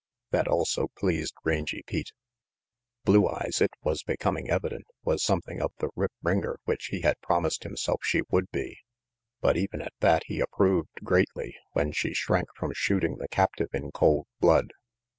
That also pleased Rangy Pete. Blue Eyes, it was becoming evident, was something of the rip ringer which he had promised himself she would be, but even at that he approved greatly when she shrank from shooting the captive in cold blood.